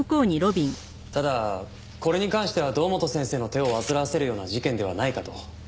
ただこれに関しては堂本先生の手を煩わせるような事件ではないかと。